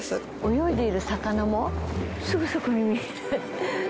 泳いでいる魚もすぐそこに見える。